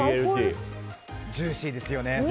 ジューシーですよね。